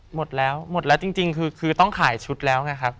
หมดแล้วหมดแล้วจริงคือต้องขายชุดแล้วไงครับ